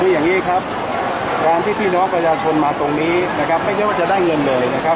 อย่างนี้ครับการที่พี่น้องประชาชนมาตรงนี้นะครับไม่ใช่ว่าจะได้เงินเลยนะครับ